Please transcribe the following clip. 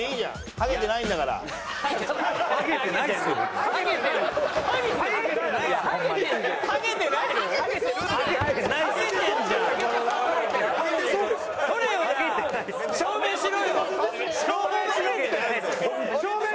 ハゲてないんだろ？